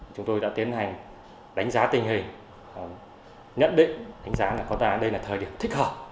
chúng tôi đã tiến hành đánh giá tình hình nhận định đánh giá là con ta đây là thời điểm thích hợp